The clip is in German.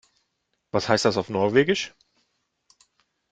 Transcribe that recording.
Was heißt das auf Norwegisch?